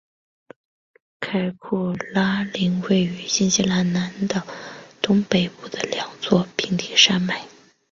凯库拉岭位于新西兰南岛东北部的两座平行山脉。